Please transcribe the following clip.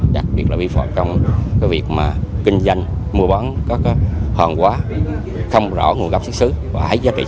đặc biệt là vi phạm trong việc mà kinh doanh mua bán có hạn hóa